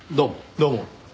どうも。